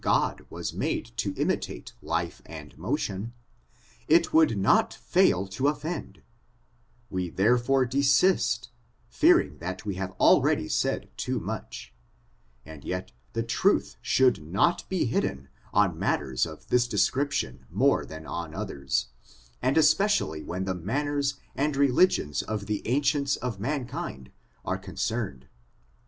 187 god was made to imitate life and motion, it would not fail to offend; we therefore desist, fearing that we have already said too much ; and yet the truth should not be hidden on matters of this description more than on others, and especially when the manners and religions of the ancients of mankind are concerned.